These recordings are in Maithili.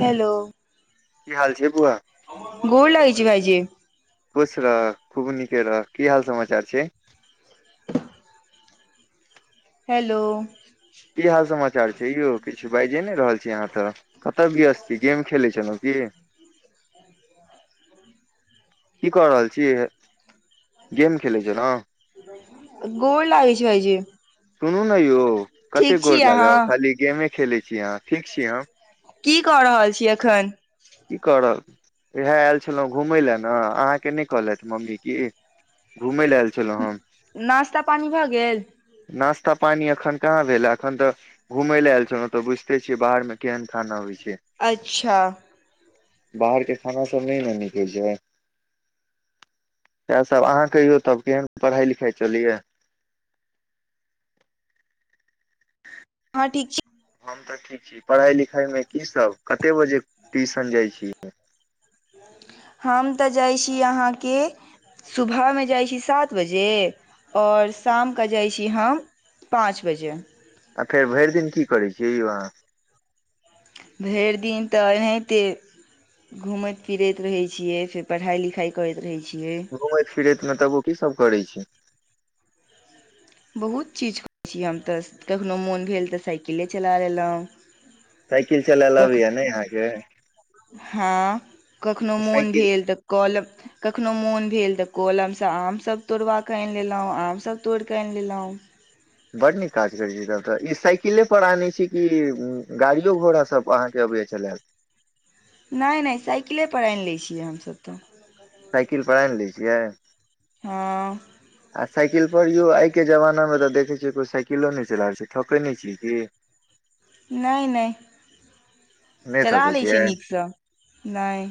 हेलो। की हाल छै बुआ। गोर लगै छै भइज। किुश रह खूब नीके रह की हाल समाचार छै। हेलो। ई हाल समाचार छै ययौ किछु बाजे ने रहल छै। [unintelligible] अहाँ तऽ। [unintelligible] कत भी अस्ी गेम खेल चल। [unintelligible] क [unintelligible] की कऽ रहल छिय। गेम खेलै छै ने गोल लागै छै कहजे। सुनू ने यौ कते गोर लागे खाली गेमे खेलैत छी अहाँ ठीक छी हम। की कऽ रहल छी एखन। की करब इएह आयल छलहुँ घूमय लेलए ने अहाँके नहि कहलथि मम्मी की लए आयल छलहुँ हम नास्ता पानी भए गेल। त्ता पानी अखन कहाँ भेले एखन तऽ घूमेय ले आयल छौं ते बुझते छियै बाहर में केहन खाना होइ छै। अच्छा। बाहरके खाना सभ नहि ने निकैत छै इएहसभ अहाँ कहियौ तब केहन पढ़ाइ लिखाइ चलए। ठीक छै। हम तऽ ठीक छी पढ़ाई लिखाई मे की सब कते बजे ट्यूशन जाइ छीिय। हम तऽ जाइत छी अहाँके सुबहमे जाइत छी सात बजे आओर शामके जाइत छी हम पाँच बजे। आ फेर भरि दिन की करै छियै यौ अहाँ। भरि दिन तऽ एनाहिते घूमैत फिरैत रहैत छियै फेर पढ़ाइ लिखाइ करैत रहैत छियै। घूममे फिरे मलब ओ की सब करै छै। बहुत चीज करैत छी हम तऽ कखनो मोन भेल तऽ साइकिले चला लेलहुँ साइकिल चलायल अबैया नहि अहाँके हँ कखनो मोन साइकिल भेल तऽ कल कखनो मोन भेल तऽ कलमसँ आमसभ तोड़बा कऽ आनि लेलहुँ आमसभ तोड़ि कऽ। कन ललहुँ बड नीक काज करैत छै तब तऽ ई साइकिलेपर आनै छी कि गाड़िो घोड़ा सभ अहाँके अबैए चब नहि नहि साइकिलेपर आनि लैत छियै हमसभ तऽ। साइकिल पा ने लै छियै। हँ। आ साइकिल पर यौ आइके जमानामे तऽ देखै छियै कोइ साइकिलो नहि चला रहल छै ठकै नहि छै कि। नहि नहि। नहि चला ठकै लै छै छियै नीकसँ नहि।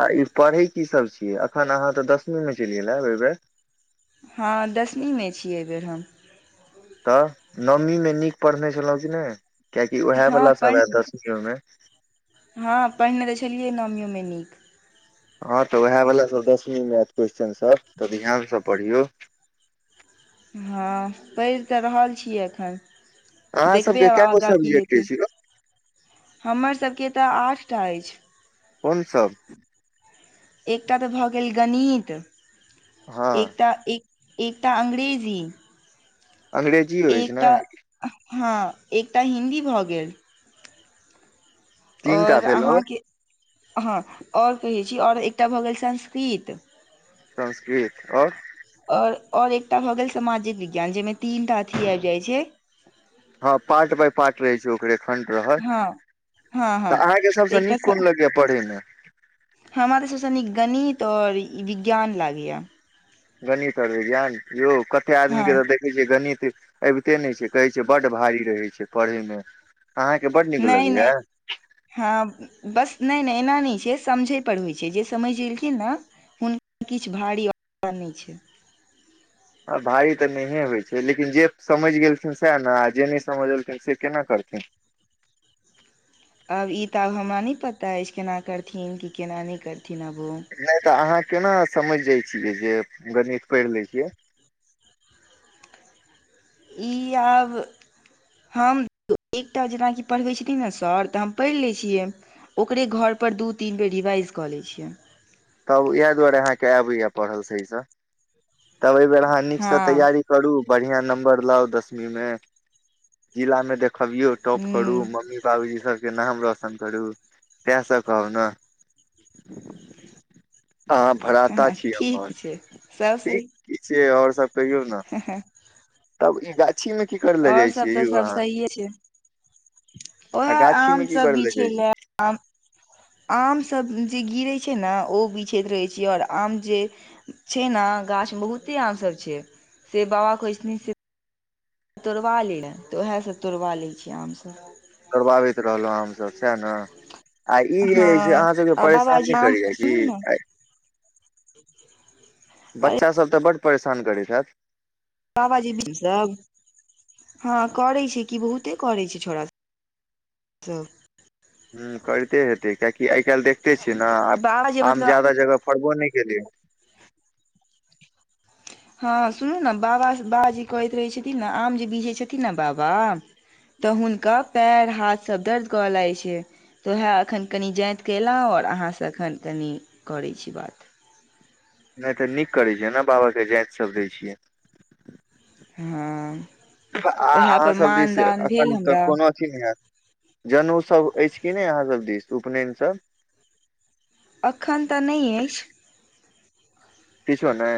आ ई पढ़ै कीसभ छियै एखन अहाँ तऽ दसमीमे चलिियै ने ओ बेर हँ दसमीमे छी एहिबेर हम। तऽ नवमीमे नीक पढ़ने छलहुँ कि नहि। क्यकि उएह हँ वालला पढ़ सब ए दसमीमे। हँ पहिने तऽ छलियै नामियोमे नीक। हँ तऽ उएहवला सभ दसमीमे आयत क्वेेश्चनसभ तऽ ध्यानसँ पढ़ियौ। हँ पढ़ि तऽ रहल छियै एखन। अहाँ देखबै सबके आब कै गो आगा की सब्जेक्ट हेत अछि यौ हमर सबके तऽ आठ टाइज। कोनसभ। एकटा तऽ भऽ गेल गणित। हँ एकटा एक। एकटा अंग्रेजी। अंग्रेजी होइ छै ने। एकटा हँ एकटा हिन्दी भऽ गेल। तीन टा आओर भेल और अहाँके। हँ आओर कहैत छी आओर एकटा भऽ गेल संस्कृत। संस्कृत आओर। आओर आओर एकटा भऽ गेल सामाजिक विज्ञान जाहिमे तीन टा अथी आबि जाइत छै। हँ पार्ट बाय पार्ट रहै छै ओकरे। खण्ड रहत हँ हँ हँ तऽ अहाँके सबस नीक कोन लगैया पढ़यमे। हमराे श्वषनिक गणित आऔर विज्ञान लागया। गणित और विज्ञान योग। कते आदमी हँ के तऽ देखै छियै गणित। अबिते नहि छै कहै छै बड्ड भारी रहै छै पढ़यमे। अहाँके बड नीक नहि लगैया। नहि हँ बस नहि नहि एना नहि छै समझय पर होइ छै जे समझ एलखिन ने हुनका किछु भारी आ नहि छै। भाय तऽ नहिये होइ छै लेकिन जे समझ गेथिन सएह ने आ जे नहि समझ एलखिन से केना करथिन। आब ई तऽ आब हमरा नहि पता अछि केना करथिन कि केना नहि करथिन। थिनाब। नहि तऽ अहाँ केना समझ जाइ छियै जे गणित पढ़ि लै छियै। ई आब हम एकटा जेनाकि पढ़बैत छथिन ने सर तऽ हम पढ़ि लैत छियै ओकरे घरपर दू तीन बेर रिवाइज कऽ लैत छियै। तब इएह दुआरे अहाँके आबैए पढ़ल सहीसँ। तब एहि बेर अहाँ नीकसँ हँ तैयारी करू। बढ़िया नंबर लाउ दसवी में जिला में देख। खबियो टॉप करु हूँ मम्मी पाबूजी सब। नाम रोशन करू तहसँ कहउ न। अहाँ भरााता छी ठीक हमर। छै सब ठीक सही कि छै आओर। कहियऔ ने। तब ई। मे की करे ले आओर जाइ सब छियै तऽ यौ सब अहाँ सहिे छै आ उएह गाछी आम मे की सब करे बिछे जाइ छियै ले आम सब। जे गिरै छै ने ओ बिछैत रहै छ आओर आम जे छै ने गाछमे बहुते आमसभ छै से बा कहै छथिन से। तोड़बा ल लेलथि तऽ उएहसभ तोड़बा लैत छीयै आमसभ। करबाबैत रहलहुँ हमसभ सएह ने। आ ई जे से हँ अहाँ सबके आ बाबाजी परेशानी आम करैय सुनू ने कि। अरे बच्चासभ ते बड्ड परेशान करैत छथि। बाबाजीसभ हँ करैत छै कि बहुते करैत छै छौड़ सभ।। ह करिते हेतै कियकि आइ काल्हि देखिते छियै ने बाबा जे आब आम मतलब ज्यादा जगह फड़बो नहि केलै। हँ सुनू ने बाबा बाबाज जे कहैत रहैत छथिन ने आम जे बिझैत छथिन ने बाबा तऽ हुनका पैर हाथसभ दर्द करय लागैत छै तऽ उएह एखन कनि जातिकेऽ अयलहुँ आओर अहाँसँ एखन कनि करैत छी बात। नहि तऽ नीक करैत छियै ने बाबाके जातिसभ दैत छियै। हँ आ अहाँ उएहपर सब दिस मानदान भेल अखन तऽ हमरा कोनो अथी नहि हयत। जनेउसभ अछि कि नहि अहाँसभ दिस उपनयनसभ। एखन तऽ नहि अछि। किशो ने।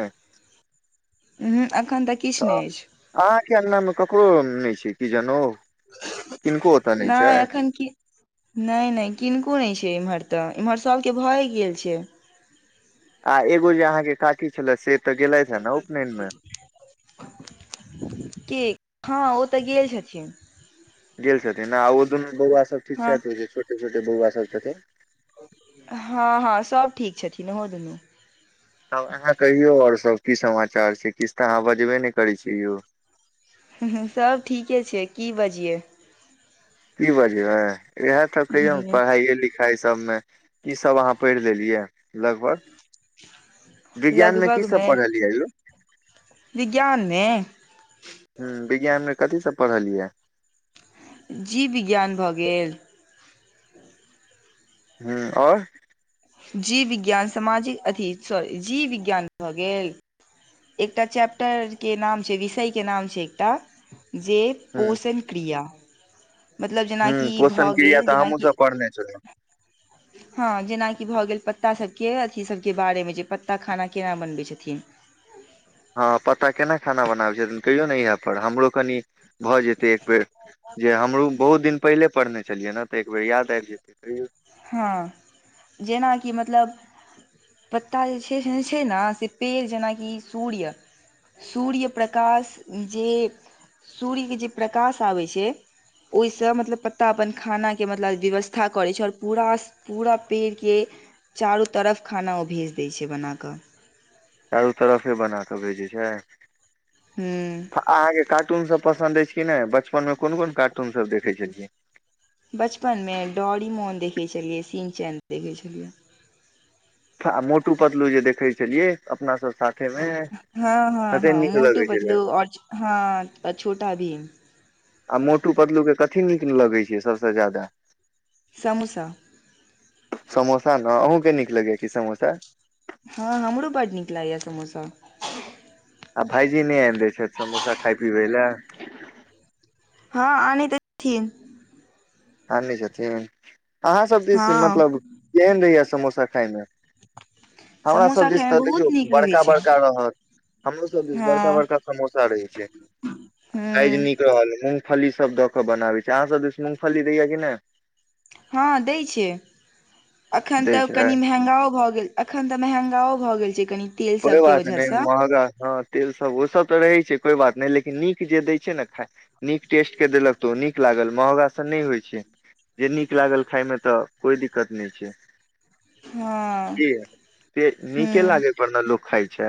उहूँ एखन तऽ त किछु नहि अछि अहाँके अनामे ककरो नहि छै। की जहो। नहि एखन नहि नहि किनको नहि छै इमहर। तऽ इम्हर सालके भए गेल छै। आ एगो जे अहाँके काकी छले से। तऽ गेलथि हे ने उपनयन मे कि। हँ ओ तऽ गेल छथिन। जेलसर। तना आ दुनू बौआ सब ठीक हँ छथि हो छै छोटे छोटे। जे बौआ सब छथिन। हँ हँ सभ ठीक छथिन ओहो दुनू। तब अहाँ कहियौ आओर सभ की समाचार छै किछु तऽ अहाँ बजबे नहि करै छियै यौ। सभ ठीके छै की बजियै। की बाजि हा। इएह त कहियौ ने ह पढ़ाइयए लिखाई। तब मे की सब अहाँ पढ़ि लेलियै। लगभग विज्ञान मे की सब लगभगमे पढ़लियै यौ। विज्ञानमे। हूँ विज्ञानमे कथीसँ पढ़लियै। जीव विज्ञान भऽ गेल। हूँ और। जीव विज्ञान सामाजिक अथी सॉरी जीव विज्ञान भऽ गेल, एकटा चैप्टर के नाम छै विषय के नाम छै एकटा। जे ह पोषण क्रिया मतलब जेना ह कि पोषण भऽ क्रिया गेल तऽ जेना हमहुँ कि सब पढ़ने छलहुँ हाँ जेना कि भऽ गेल प प्ता सबके अथी सभके बारेमे जे पत्ता खाना केना बनबै छथिन। हाँ पता केना खाना बनाबे छै कहियो नै यहां पर हमरो कनि भ जेते एक बेर जे हमु बहुत दिन पेहले पढ़ने छलियै ने ते एक बेर याद आब जेतै, कहियौ हाँ जेना कि मतलब पत्ता जे छै से छै ना से पेड़ जेना कि सूर्य, सूर्य प्रकाश जे सूर्य के जे प्रकाश आबै छै, ओय से मतलब पत्ता अपन खाना के मतलब व्यवस्था करै छै और पूरास पूरा पेड़ के चारो तरफ खाना ओ भेज दै छै बना क। चारो तरफे बना के भेजै छै। ह्म्म अ अहाँ के कार्टून सब पसन्द एछ कि नै बचपन मे कुन-कुन कार्टून सब देखै छलियै। बचपन मे डॉरीमोन देखै छलियै, सिन चैन देखै छलियै। फा आ मोटू-पतलू जे देखै छलियै अपना सब सा हाँ हाँ हाँ लगै छलै मोटू-पतलू और हाँ अ छोटा भीम। आ मोटू-पतलू के कथी नीक लगै छै सबसे जादा। समोसा। समोसा ना, अहूँ के नीक लगै कि समोसा। हाँ हमरो बड नीक लागै या समोसा। आ भायजी नै आन दै छैथ समोसा खाय पीबै लए। हाँ आने छथिन। आनै छथिन। अहाँ सब दिस हँ मतलब केहेन रहै या समोसा खाय मे। हमरा सब समोसा दिस खायमे तऽ बहुत देखियौ नीक रहै छै बड़का-बड़का रहत, हमरो सब दिस हँ बड़का-बड़का समोसा रहै छै आ काएज हूँ नीक रहल, मूंग फली सब द के बनावे छै, अहाँ सब दिस मूंग फली दैय या कि नै। हाँ दैय छै। अखन दै तऽ छै कनि मेहंगाओ भऽ गेल, अखन तऽ मेहंगाओ भऽ गेल छै। कनी कोइ बात नै महगा हाँ। तेल सब ओ सब तऽ रहै छै कोइ बात नै, लेकिन नीक जे दै छै ने खाय नीक टेस्ट के देलक तऽ ओ नीक लागल, महँगा से नै होय छै जे नीक लागल खाय मे तऽ कोय दिक्कत नै छै। हँ की ये ते नीके हूँ लागे त लोक खाय छै।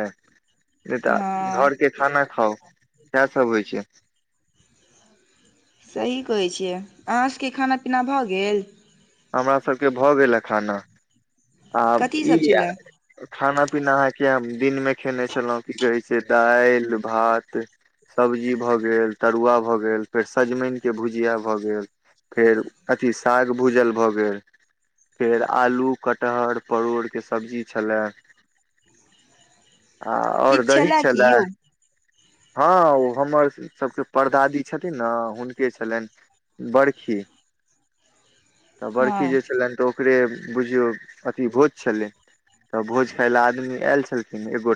नै ते हँ घर के खाना खाउ, साएह सब होय छै। सही कहै छियै, अहाँ सके खाना-पीना भऽ गेल। हमरा सबके भऽ गेल ए खाना। आ कथी ई सब छलए खाना पीना अहाँके। [unintelligible] दिनमे खयने छलहुँ की कहैत छै दालि भात सब्जी भऽ गेल तरुआ भऽ गेल फेर सजमनिके भुजिया भऽ गेल फेर अथी साग भूजल भऽ गेल फेर आलू। कटहर परोड़के सब्जी छलय। [unintelligible] आ आओर किछु दही की छलए। यौ [unintelligible] हाँ उ हमर सब के परदादी छथिन ना, हुनके छलैन बड़खी। तऽ हँ बरखी जे छलैन तऽ ओ ओकरे बुझयो अथी भोज छलै, त भोज खाएले आदमी आएल छलखिन, एगो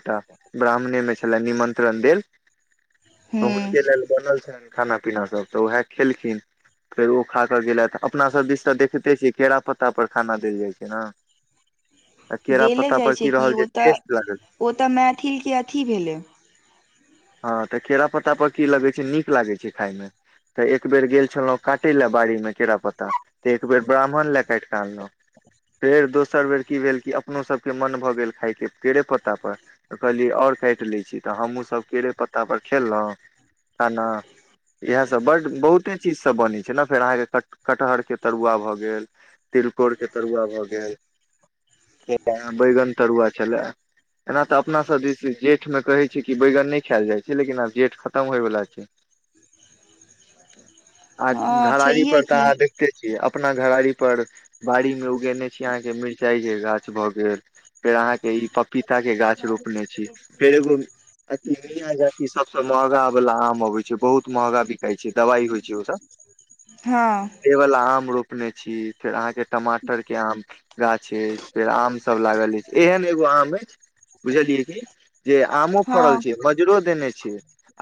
ब्राह्मणे मे छलै निमन। मत्रन्द। [unintelligible] त हूँ हुनके लेल बनल छनि। खाना पीना सभ तऽ उएह खेलखिन फेर ओ खा कऽ गेलथि अपना सभ दिस तऽ देखिते छियै केरा पत्ता परर खाना देल जाइत छै ने। [unintelligible] केरा देले पत्ता जाइ पर छै की कि रहल जे ओ तऽ- टेस्ट लागल ओ तऽ मैथिल के अथी भेलै। [unintelligible] हँ तऽ केरा पत्तापर की लगैत छै नीक लागैत छै खाायमे तऽ एक बेर गेल छलहुँ काटय लेल बाड़ीमे केरा पत्ता तऽ एक बेर ब्राह््मण लए काटि कऽ अनलहुँ फेर दोसर बेर की भेल कि अपनोसभके मन भऽ गेल खाायके केरे पत्तापर तऽ कहलियै आओर काटि लैत छी तऽ हमूँसभ। केले पत्ता पर खेलो [unintelligible] बहुते चीज सब सोने छे ने कटहर के तरूआ भ गेल तीलकोर के तरूआ भ गेल बैंगन के तरूआ छलै ओना अपना सब दीस जेठ में बैंगन नई खाई छै। खल जाइ छै लेकिन आब जेट खतम होइ वला छै। [unintelligible] आ हँ घरड़ी छैहे पर तऽ की अहाँ देखते छियै अपना घराड़ी। [unintelligible] पर बाड़ी मे उगेने छी अहाँ के मिरचाई के गाछ भए गेल फेर अहाँ के ई प। पपीता के गाछ रोपने छी फेर एगो। [unintelligible] कि सबस मार। [unintelligible] महगा वला आम अबे छै बहुत महगा। [unintelligible] दवाइ होइ छै ओव हँ आ रो। [unintelligible] रने छी फेर अहाँके टमाटरके आम गाछ अछि फेर आमसभ लागल अछि एहन एगो आम अछि बुझलियै कि। [unintelligible] जे आम फरल। हँ मजरो देने छी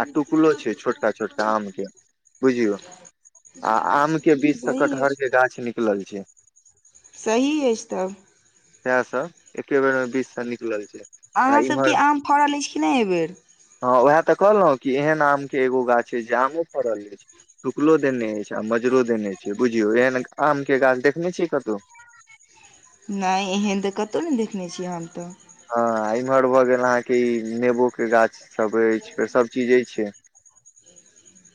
आ टुकलो छै छोटका छोटका आम के बुझलियो आ आम के बीच से सही कटहर अछि के गाछ निकलल छै। [unintelligible] सही अछि तब। [unintelligible] तह सब एके बेर मे बीच से निकलल छै। [unintelligible] अहाँसभके इम्हर आम फड़ल अछि कि नहि एहिबेर। [unintelligible] हँ उएह तऽ कहलहुँ कि एहन आम के एगो गाछ अछि जे आमो फड़ल अछि टुकलो देने अछि आ मजरो देने छै बुझियौ एहन आमके गाछ देखने छिय कतहु। [unintelligible] नहि एहन तऽ कतहु नहि देखने छियै हम तऽ। [unintelligible] हँ इम्हर भऽ गेल अहाँके ई नेबोके गाछसभ अछि फेर सभचीज अछि। [unintelligible]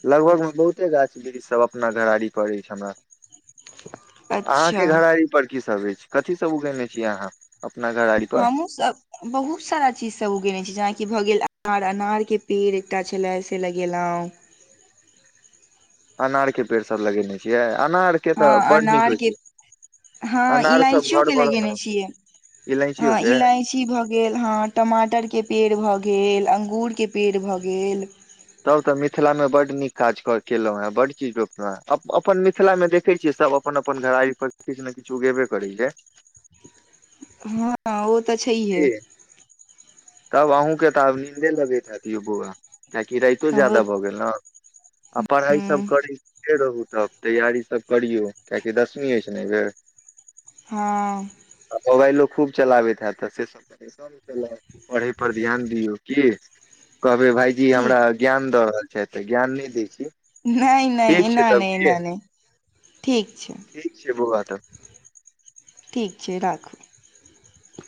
लगभग मे बहुते गाछ वृक्ष सभ अपना घराड़ी परड़ अछि हमरा। [unintelligible] अच्छा अहाँके घरड़ी पर की सब। सब कथी सब उगेने छीियै अहाँ। [unintelligible] पर हमहुूँ सब- बहुत सारा चीजसभ उगेने छी जेनाकि भऽ गेल। आर अनारके पेड़ एकटा छलय से लगेलहुँ। अनार के पेड़ सब लगेने छियै? अनार के तऽ हँ बड़ नीक होइ अनारके छै हँ अनार सब घर इलायचियोके पर ने लगेने छियै। इलायचियो हँ के इलायची भऽ गेल। हँ टमाटरके पेड़ भऽ गेल। तऽ अंगूरके पेड़ भऽ गेल। तब तऽ मिथिलामे बड्ड नीक काजऽ केलहुँ हेँ बड्ड चीज रोपलहुँ हेँ। अपन मिथिलामे देखै छियै सभ अपन-अपन घराइ पर किछु ने किछु उगेबे करै छै। आओर तऽ छैहे। की [unintelligible] तब अहूँके तऽ आब नीन्दे लगै ह बोआ। [unintelligible] कियाकि राइतो हमरो जादा भऽ गेल ने- आ पढ़ाइ सभ हूँ करी। निके रहू तब तैयारी सब करियौ कियकि दसमी अछि ने एहि बेेर। हँ खूब चलाबैत हेत तऽ से सब कने सब केलक। पढ़ै पर ध्यान दियऔ कि? कहबै भाईजी ठीक हमरा ज्ञान द रहल छैत तऽ ज्ञान नहि दै छी। नहि नहि ठीक छै एना तब नहि एना की नहि ठीक छै। तऽ ठीक छै राखू।